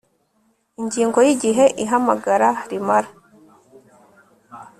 Ingingo ya Igihe ihamagara rimara